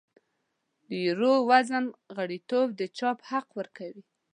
د یورو زون غړیتوب د چاپ حق ورکوي.